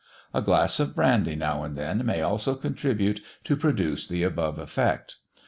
A glass of brandy now and then may also contribute to produce the above effect.